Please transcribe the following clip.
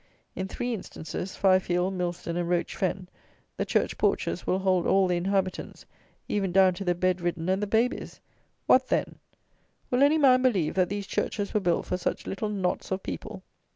In three instances, Fifield, Milston, and Roach Fen, the church porches will hold all the inhabitants, even down to the bed ridden and the babies. What then? will any man believe that these churches were built for such little knots of people?